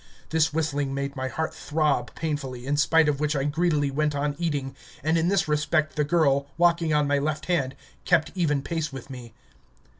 This whistling made my heart throb painfully, in spite of which I greedily went on eating, and in this respect the girl, walking on my left hand, kept even pace with me.